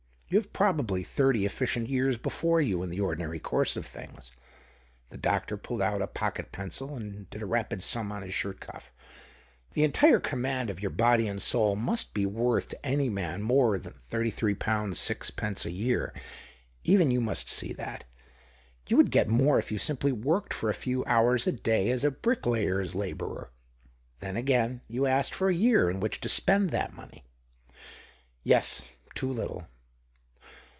You have probably thirty efficient years before you in the ordinary course of things." The doctor pulled out a pocket pencil, and did a rapid sum on his shirt cuff. " The entire command of your body and soul must be worth to any man more than £33 6s. Sd. a year. Even 108 THE OCTAVE OF CLAUDIQS. you must see that. You would get more if you simply worked for a few hours a day as a bricklayer's labourer. Then, again, you asked for a year in which to spend that money." "Yes, too little."